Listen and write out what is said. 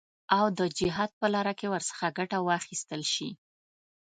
او د جهاد په لاره کې ورڅخه ګټه واخیستل شي.